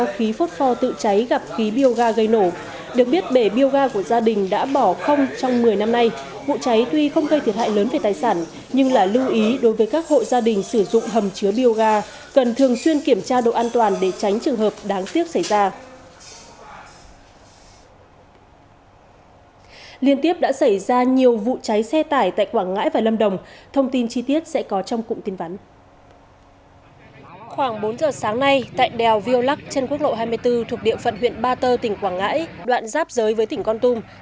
khoảng bốn giờ sáng nay tại đèo viêu lắc trên quốc lộ hai mươi bốn thuộc địa phận huyện ba tơ tỉnh quảng ngãi đoạn giáp giới với tỉnh con tùng